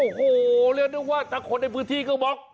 โอ้โหเรียกได้ว่าถ้าคนในพื้นที่ก็บอก